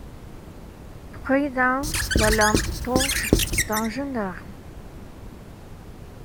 Pris dans la lampetorche d'un gendarme.